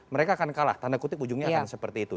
mereka akan kalah tanda kutip ujungnya akan seperti itu